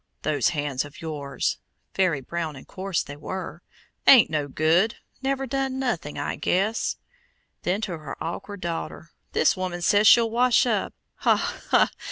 Those hands of yours" (very brown and coarse they were) "ain't no good; never done nothing, I guess." Then to her awkward daughter: "This woman says she'll wash up! Ha! ha!